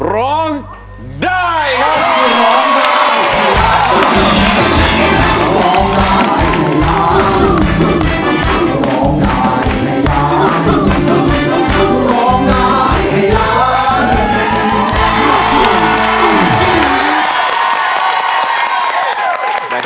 ร้องได้ครับ